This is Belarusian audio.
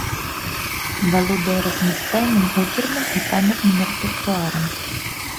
Валодае разнастайным оперным і камерным рэпертуарам.